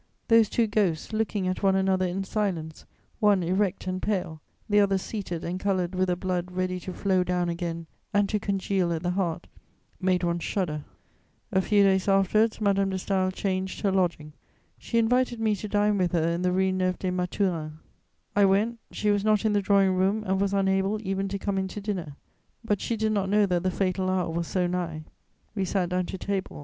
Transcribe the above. Those two ghosts looking at one another in silence, one erect and pale, the other seated and coloured with a blood ready to flow down again and to congeal at the heart, made one shudder. A few days afterwards, Madame de Staël changed her lodging. She invited me to dine with her, in the Rue Neuve des Mathurins: I went; she was not in the drawing room and was unable even to come in to dinner; but she did not know that the fatal hour was so nigh. We sat down to table.